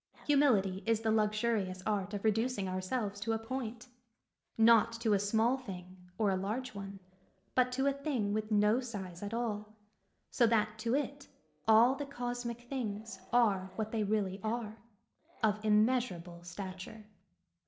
Humility is the luxurious art of reducing ourselves to a point, not to a small thing 6r a large one, but to a thing with no size at all, so that to it all the cosmic things are what they really are — of immeasurable stat ure.